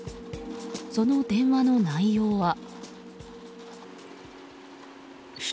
その電話の内容は。